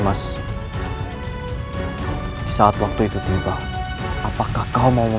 musuhmu adalah musuhku juga